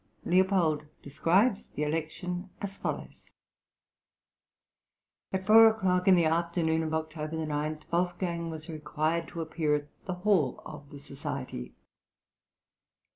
Leopold describes the election as follows: At 4 o'clock in the afternoon of October 9 Wolfgang was required to appear at the hall of the society.